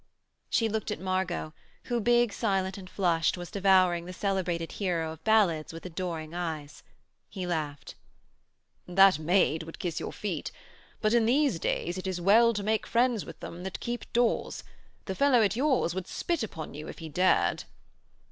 She looked at Margot, who, big, silent and flushed, was devouring the celebrated hero of ballads with adoring eyes. He laughed. 'That maid would kiss your feet. But, in these days, it is well to make friends with them that keep doors. The fellow at yours would spit upon you if he dared.'